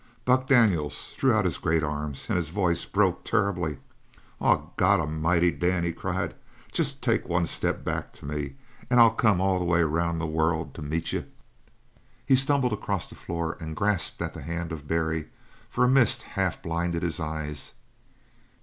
Buck Daniels threw out his great arms and his voice was broken terribly. "Oh, God A'mighty, Dan," he cried, "jest take one step back to me and I'll come all the way around the world to meet you!" He stumbled across the floor and grasped at the hand of Barry, for a mist had half blinded his eyes.